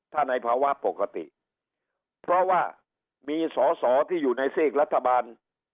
ถ้าในภาวะปกติเพราะว่ามีสอสอที่อยู่ในซีกรัฐบาล